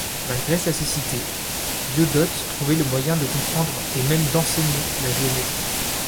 Malgré sa cécité, Diodote trouvait le moyen de comprendre et même d'enseigner la géométrie.